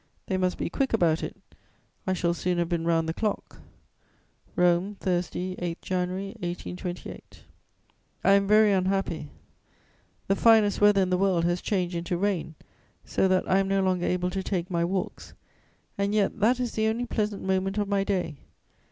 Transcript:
They must be quick about it; I shall soon have been round the clock." "ROME, Thursday, 8 January 1828. "I am very unhappy; the finest weather in the world has changed into rain, so that I am no longer able to take my walks. And yet that is the only pleasant moment of my day.